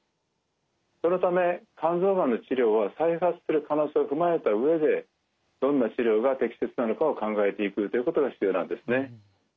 そのため肝臓がんの治療は再発する可能性を踏まえた上でどんな治療が適切なのかを考えていくということが必要なんですね。